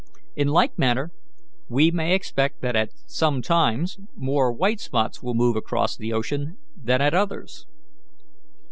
In like manner we may expect that at some times more white spots will move across the ocean than at others."